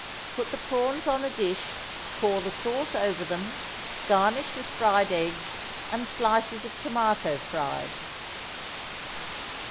Put the prawns on a dish, pour the sauce over them, garnish with fried eggs and slices of tomatoes fried.